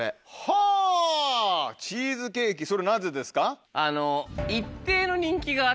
はぁチーズケーキそれなぜですか？